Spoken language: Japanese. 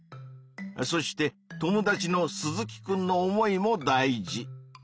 そして友達の鈴木くんの思いも大事。